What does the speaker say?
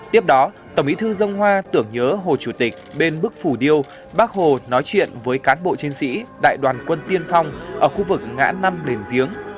tiếp đó tổng bí thư dân hoa tưởng nhớ hồ chủ tịch bên bức phủ điêu bác hồ nói chuyện với cán bộ chiến sĩ đại đoàn quân tiên phong ở khu vực ngã năm đền giếng